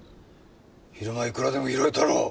昼間いくらでも拾えたろう？